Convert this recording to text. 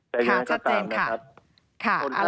แต่อย่างนั้นก็ตามนะครับ